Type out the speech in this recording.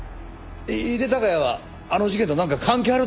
井手孝也はあの事件となんか関係あるって事か？